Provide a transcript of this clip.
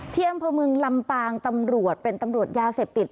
ที่อำเภอเมืองลำปางตำรวจเป็นตำรวจยาเสพติด